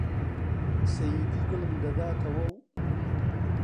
سەیدی دڵم دەداتەوە و